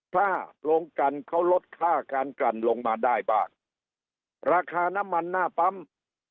ถ้าโรงกันเขาลดค่าการกันลงมาได้บ้างราคาน้ำมันหน้าปั๊ม